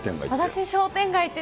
商店街って。